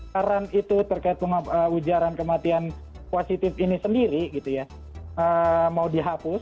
karena itu terkait ujaran kematian positif ini sendiri gitu ya